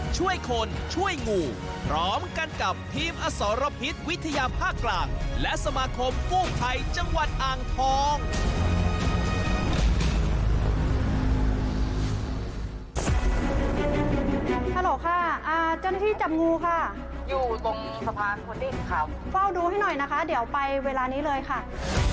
ช่วยคนช่วยงูพร้อมกันกับทีมอสรพิษวิทยาภาคกลางและสมาคมกู้ไพจังหวัดอ่างทอง